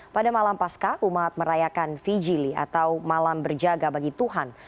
pada malam pasca umat merayakan vijili atau malam berjaga bagi tuhan